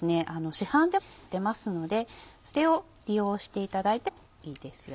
市販でも売ってますのでそれを利用していただいてもいいですよ。